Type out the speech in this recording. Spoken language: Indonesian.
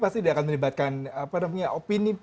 pasti dia akan melibatkan opini